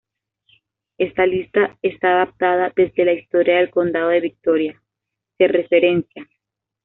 Esta lista está adaptada desde la historia del condado de Victoria, se referencia.